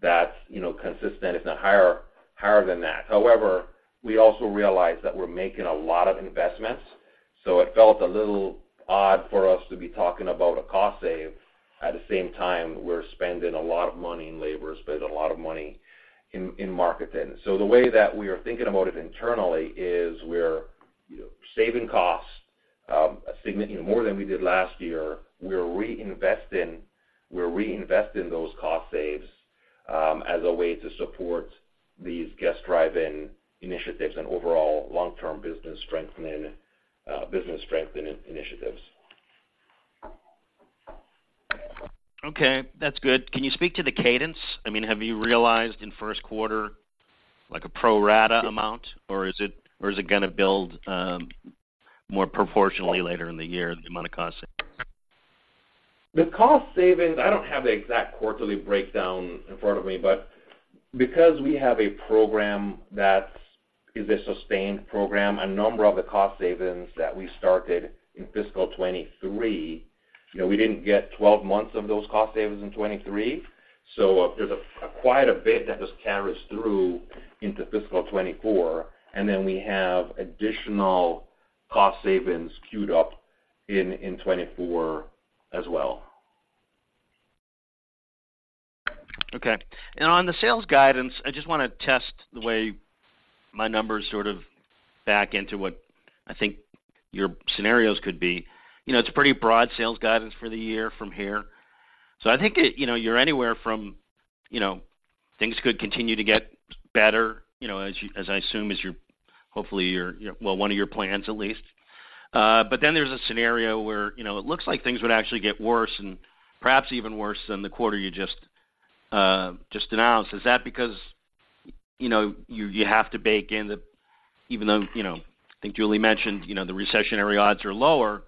Speaker 4: that's, you know, consistent, if not higher than that. However, we also realize that we're making a lot of investments, so it felt a little odd for us to be talking about a cost save, at the same time, we're spending a lot of money in labor, spending a lot of money in, in marketing. So the way that we are thinking about it internally is we're, you know, saving costs more than we did last year. We're reinvesting, we're reinvesting those cost saves, as a way to support these guest-driven initiatives and overall long-term business strengthening, business strengthening initiatives.
Speaker 9: Okay, that's good. Can you speak to the cadence? I mean, have you realized in first quarter, like a pro rata amount, or is it, or is it gonna build, more proportionally later in the year, the amount of cost?
Speaker 4: The cost savings, I don't have the exact quarterly breakdown in front of me, but because we have a program that is a sustained program, a number of the cost savings that we started in fiscal 2023, you know, we didn't get 12 months of those cost savings in 2023, so there's quite a bit that just carries through into fiscal 2024, and then we have additional cost savings queued up in 2024 as well.
Speaker 9: Okay. On the sales guidance, I just wanna test the way my numbers sort of back into what I think your scenarios could be. You know, it's a pretty broad sales guidance for the year from here. So I think it, you know, you're anywhere from, you know, things could continue to get better, you know, as you, as I assume is your hopefully your, well, one of your plans at least. But then there's a scenario where, you know, it looks like things would actually get worse and perhaps even worse than the quarter you just just announced. Is that because, you know, you have to bake in the, even though, you know, I think Julie mentioned, you know, the recessionary odds are lower,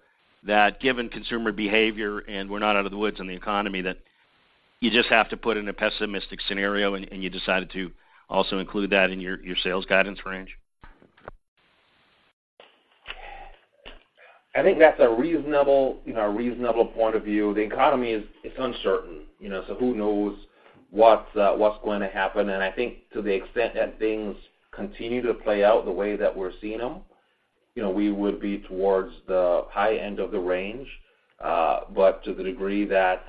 Speaker 9: that given consumer behavior, and we're not out of the woods on the economy, that you just have to put in a pessimistic scenario, and you decided to also include that in your, your sales guidance range?
Speaker 4: I think that's a reasonable, you know, a reasonable point of view. The economy is, it's uncertain, you know, so who knows what's, what's going to happen? And I think to the extent that things continue to play out the way that we're seeing them, you know, we would be towards the high end of the range, but to the degree that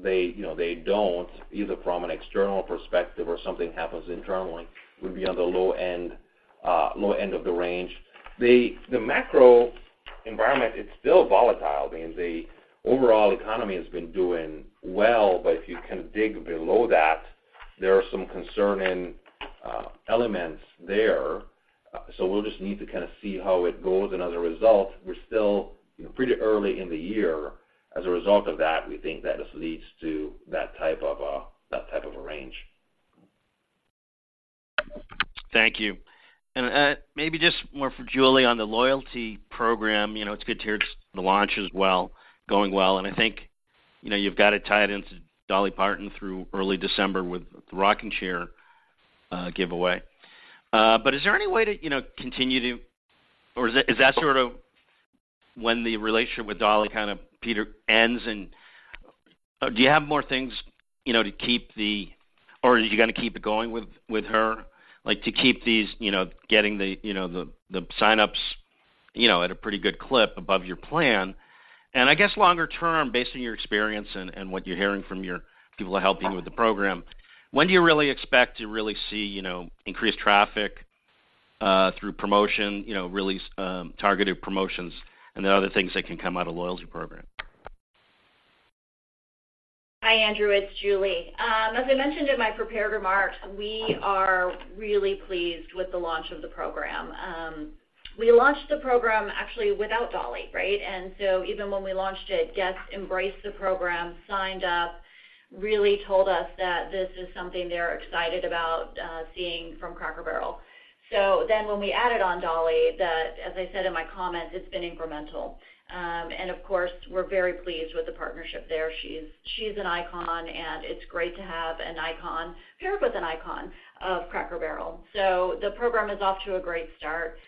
Speaker 4: they, you know, they don't, either from an external perspective or something happens internally, would be on the low end, low end of the range. The macro environment, it's still volatile. I mean, the overall economy has been doing well, but if you can dig below that, there are some concerning elements there, so we'll just need to kind of see how it goes. And as a result, we're still, you know, pretty early in the year. As a result of that, we think that this leads to that type of a range.
Speaker 9: Thank you. And, maybe just loyalty program. you know, it's good to hear the launch as well, going well, and I think, you know, you've got it tied into Dolly Parton through early December with the rocking chair giveaway. But is there any way to, you know, continue to, or is that, is that sort of when the relationship with Dolly kind of peters out? And, do you have more things, you know, to keep or are you gonna keep it going with, with her, like, to keep these, you know, getting the, you know, the, the sign-ups, you know, at a pretty good clip above your plan? I guess, longer term, based on your experience and what you're hearing from your people helping you with the program, when do you really expect to really see, you know, increased traffic through promotion, you know, really targeted promotions and the other things that can come out of loyalty program?
Speaker 3: Hi, Andrew. It's Julie. As I mentioned in my prepared remarks, we are really pleased with the launch of the program. We launched the program actually without Dolly, right? And so even when we launched it, guests embraced the program, signed up, really told us that this is something they're excited about, seeing from Cracker Barrel. So then, when we added on Dolly, as I said in my comments, it's been incremental. And of course, we're very pleased with the partnership there. She's an icon, and it's great to have an icon paired with an icon of Cracker Barrel. So the program is off to a great start.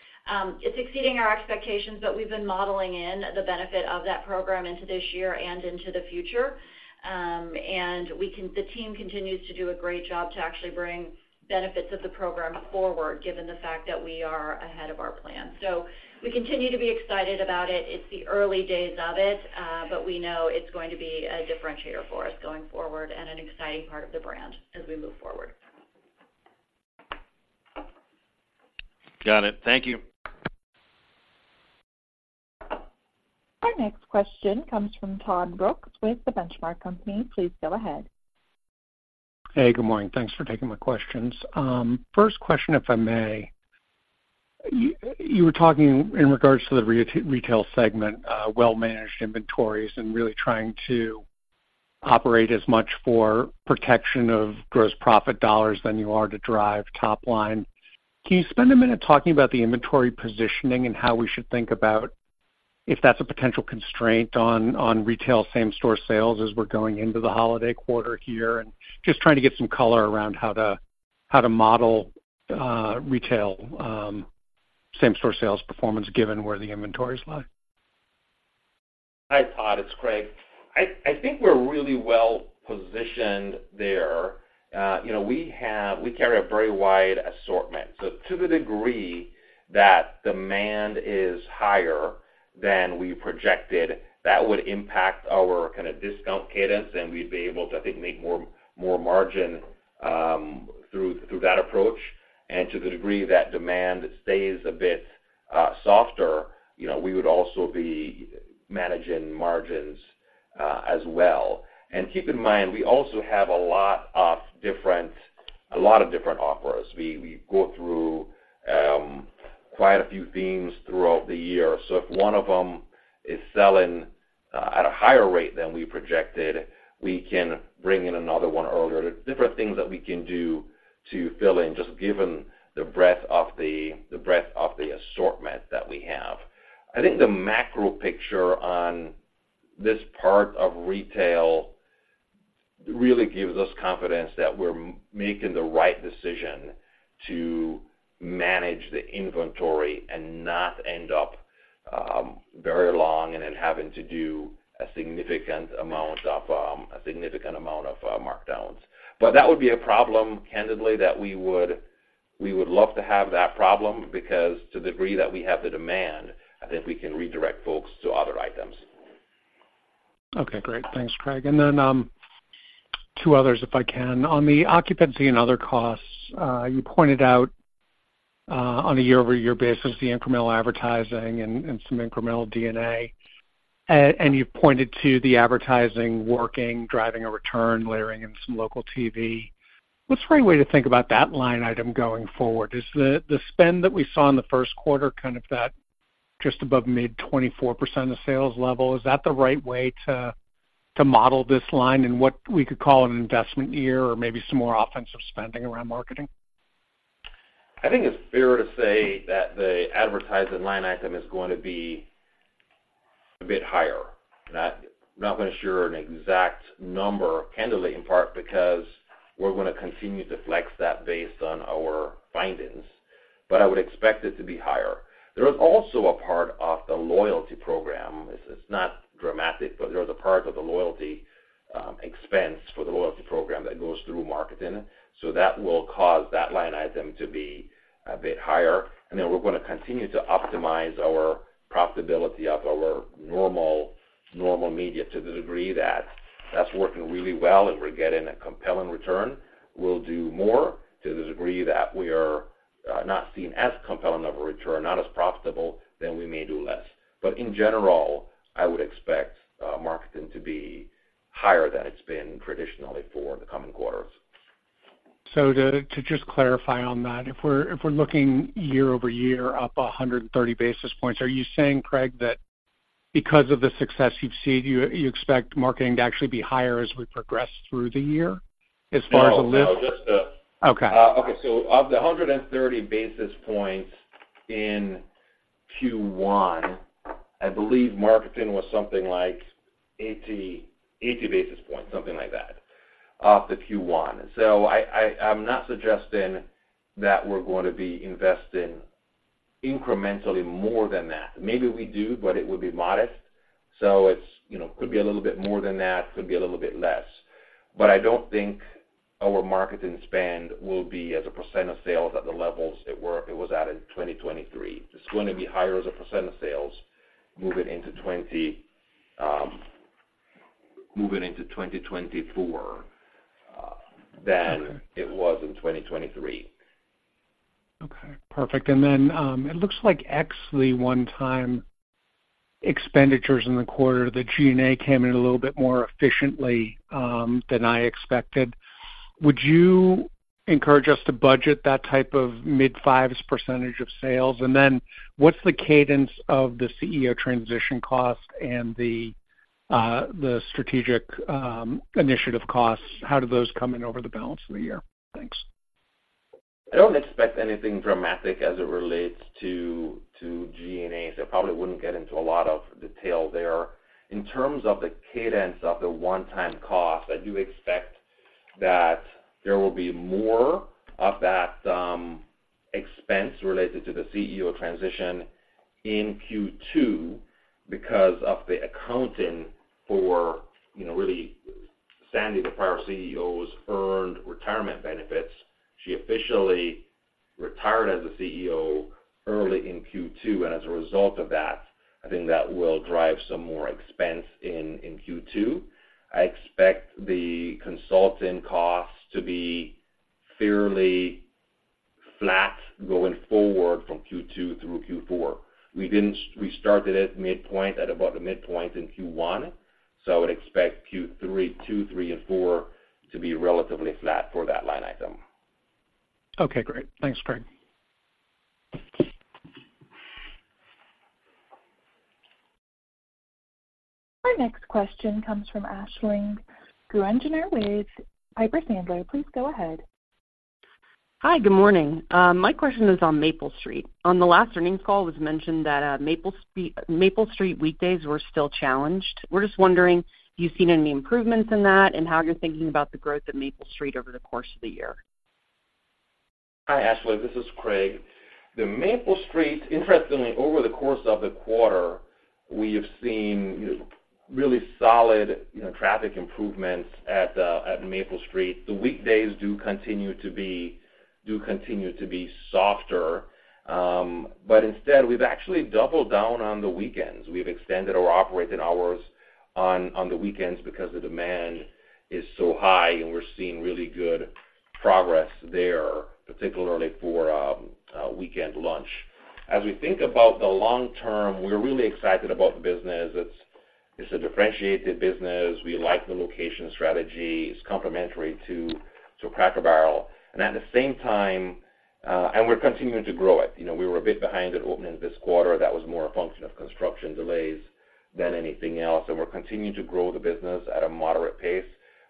Speaker 3: It's exceeding our expectations, but we've been modeling in the benefit of that program into this year and into the future. The team continues to do a great job to actually bring benefits of the program forward, given the fact that we are ahead of our plan. So we continue to be excited about it. It's the early days of it, but we know it's going to be a differentiator for us going forward and an exciting part of the brand as we move forward.
Speaker 9: Got it. Thank you.
Speaker 1: Our next question comes from Todd Brooks with The Benchmark Company. Please go ahead.
Speaker 10: Hey, good morning. Thanks for taking my questions. First question, if I may. You were talking in regards to the retail segment, well-managed inventories and really trying to operate as much for protection of gross profit dollars than you are to drive top line. Can you spend a minute talking about the inventory positioning and how we should think about if that's a potential constraint on retail same-store sales as we're going into the holiday quarter here? And just trying to get some color around how to model retail same-store sales performance, given where the inventories lie.
Speaker 4: Hi, Todd. It's Craig. I think we're really well positioned there. You know, we have, we carry a very wide assortment. So to the degree that demand is higher than we projected, that would impact our kind of discount cadence, and we'd be able to, I think, make more margin through that approach. And to the degree that demand stays a bit softer, you know, we would also be managing margins as well. And keep in mind, we also have a lot of different offers. We go through quite a few themes throughout the year. So if one of them is selling at a higher rate than we projected, we can bring in another one earlier. There's different things that we can do to fill in, just given the breadth of the assortment that we have. I think the macro picture on this part of retail really gives us confidence that we're making the right decision to manage the inventory and not end up very long and then having to do a significant amount of markdowns. But that would be a problem, candidly, that we would love to have that problem, because to the degree that we have the demand, I think we can redirect folks to other items.
Speaker 10: Okay, great. Thanks, Craig. And then two others, if I can. On the occupancy and other costs, you pointed out, on a year-over-year basis, the incremental advertising and some incremental D&A. And you pointed to the advertising working, driving a return, layering in some local TV. What's the right way to think about that line item going forward? Is the spend that we saw in the first quarter, kind of that just above mid-24% of sales level, the right way to model this line in what we could call an investment year or maybe some more offensive spending around marketing?
Speaker 4: I think it's fair to say that the advertising line item is going to be a bit higher. Not, not gonna share an exact number, candidly, in part because we're gonna continue to flex that based on our findings, but I would expect it to be higher. There is loyalty program. it's, it's not dramatic, but there is a part of loyalty program that goes through marketing, so that will cause that line item to be a bit higher. And then we're gonna continue to optimize our profitability of our normal, normal media. To the degree that that's working really well and we're getting a compelling return, we'll do more. To the degree that we are, not seeing as compelling of a return, not as profitable, then we may do less. But in general, I would expect, marketing to be higher than it's been traditionally for the coming quarters.
Speaker 10: So, to just clarify on that, if we're looking year-over-year, up 130 basis points, are you saying, Craig, that because of the success you've seen, you expect marketing to actually be higher as we progress through the year, as far as the lift?
Speaker 4: No, no, just the-
Speaker 10: Okay.
Speaker 4: Okay, so of the 130 basis points in Q1, I believe marketing was something like 80 basis points, something like that, of the Q1. So I'm not suggesting that we're going to be investing incrementally more than that. Maybe we do, but it would be modest. So it's, you know, could be a little bit more than that, could be a little bit less. But I don't think our marketing spend will be as a percent of sales at the levels it was at in 2023. It's going to be higher as a percent of sales, moving into 2024, than it was in 2023.
Speaker 10: Okay, perfect. And then, it looks like actually, one-time expenditures in the quarter, the G&A came in a little bit more efficiently, than I expected. Would you encourage us to budget that type of mid-fives% of sales? And then what's the cadence of the CEO transition cost and the, the strategic, initiative costs? How do those come in over the balance of the year? Thanks.
Speaker 4: I don't expect anything dramatic as it relates to G&A, so I probably wouldn't get into a lot of detail there. In terms of the cadence of the one-time cost, I do expect that there will be more of that expense related to the CEO transition in Q2 because of the accounting for, you know, really, Sandy, the prior CEO's earned retirement benefits. She officially retired as a CEO early in Q2, and as a result of that, I think that will drive some more expense in Q2. I expect the consulting costs to be fairly flat going forward from Q2 through Q4. We started at midpoint, at about the midpoint in Q1, so I would expect Q2, Q3, and Q4 to be relatively flat for that line item.
Speaker 10: Okay, great. Thanks, Craig.
Speaker 1: Our next question comes from Aisling Grueninger with Piper Sandler. Please go ahead.
Speaker 11: Hi, good morning. My question is on Maple Street. On the last Earnings Call, it was mentioned that, Maple Street, Maple Street weekdays were still challenged. We're just wondering, have you seen any improvements in that and how you're thinking about the growth of Maple Street over the course of the year?
Speaker 4: Hi, Aisling, this is Craig. The Maple Street, interestingly, over the course of the quarter, we have seen really solid, you know, traffic improvements at Maple Street. The weekdays do continue to be softer, but instead, we've actually doubled down on the weekends. We've extended our operating hours on the weekends because the demand is so high, and we're seeing really good progress there, particularly for weekend lunch. As we think about the long term, we're really excited about the business. It's a differentiated business. We like the location strategy. It's complementary to Cracker Barrel, and at the same time, and we're continuing to grow it. You know, we were a bit behind at opening this quarter. That was more a function of construction delays than anything else, and we're continuing to grow the business at a moderate pace.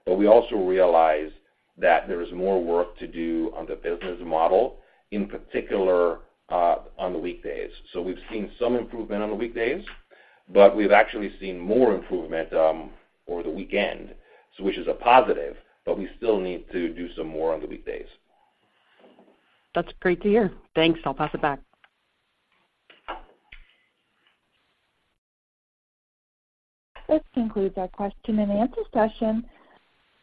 Speaker 4: But we also realize that there is more work to do on the business model, in particular, on the weekdays. So we've seen some improvement on the weekdays, but we've actually seen more improvement, over the weekend, so which is a positive, but we still need to do some more on the weekdays.
Speaker 11: That's great to hear. Thanks. I'll pass it back.
Speaker 1: This concludes our question and answer session.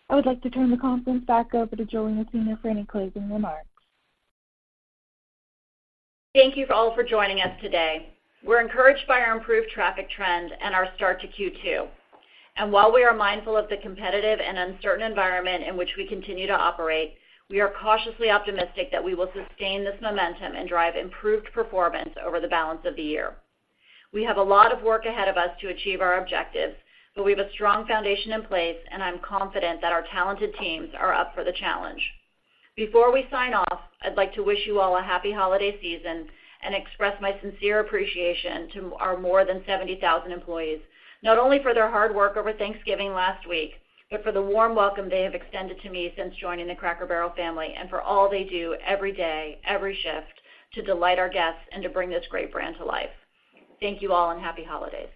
Speaker 1: I would like to turn the conference back over to Julie Masino for any closing remarks.
Speaker 3: Thank you all for joining us today. We're encouraged by our improved traffic trends and our start to Q2. While we are mindful of the competitive and uncertain environment in which we continue to operate, we are cautiously optimistic that we will sustain this momentum and drive improved performance over the balance of the year. We have a lot of work ahead of us to achieve our objectives, but we have a strong foundation in place, and I'm confident that our talented teams are up for the challenge. Before we sign off, I'd like to wish you all a happy holiday season and express my sincere appreciation to our more than 70,000 employees, not only for their hard work over Thanksgiving last week, but for the warm welcome they have extended to me since joining the Cracker Barrel family, and for all they do every day, every shift, to delight our guests and to bring this great brand to life. Thank you all, and happy holidays!